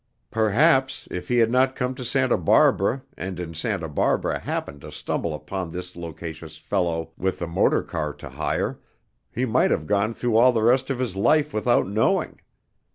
Perhaps, if he had not come to Santa Barbara and in Santa Barbara happened to stumble upon this loquacious fellow with the motor car to hire, he might have gone through all the rest of his life without knowing.